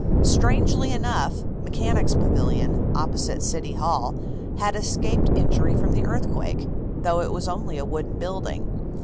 Strangely enough, Mechanics' Pavilion, opposite City Hall, had escaped injury from the earthquake, though it was only a wooden building.